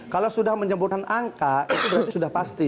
kalau sudah menyebutkan angka itu sudah pasti